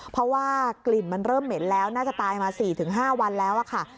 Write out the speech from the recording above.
เพราะว่ากลิ่นมันเริ่มเหม็นแล้วน่าจะตายมา๔๕วันแล้วค่ะ